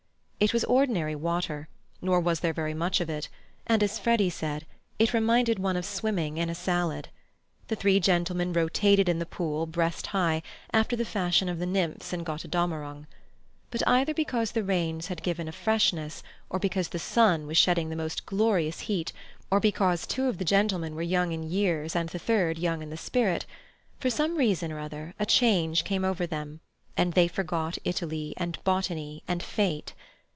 It was ordinary water, nor was there very much of it, and, as Freddy said, it reminded one of swimming in a salad. The three gentlemen rotated in the pool breast high, after the fashion of the nymphs in Götterdämmerung. But either because the rains had given a freshness or because the sun was shedding a most glorious heat, or because two of the gentlemen were young in years and the third young in spirit—for some reason or other a change came over them, and they forgot Italy and Botany and Fate.